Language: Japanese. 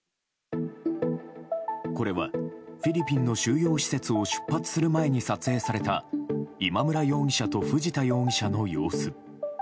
これはフィリピンの収容施設を出発する前に撮影された今村容疑者と藤田容疑者の様子。